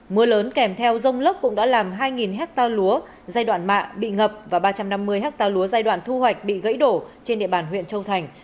mưa lớn kèm theo rông lốc cũng đã làm hai hectare lúa giai đoạn mạ bị ngập và ba trăm năm mươi ha lúa giai đoạn thu hoạch bị gãy đổ trên địa bàn huyện châu thành